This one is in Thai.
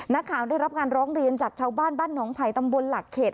นักข่าวได้รับงานร้องเรียนจากชาวบ้านบ้านหนองภัยตำบลหลักเขต